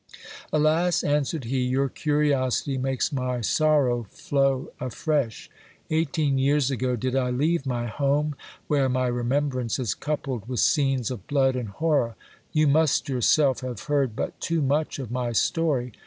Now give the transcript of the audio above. Alas ! answered he, your curiosity makes my sorrow flow afresh. Eighteen years 'ago did I leave my home, where my remembrance is coupled with scenes of blood and horror. You must yourself have heard but too much of my story.